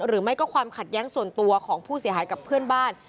หรือไม่ก็ความขัดแย้งส่วนตัวของผู้เสียหายกับเพื่อนบ้าน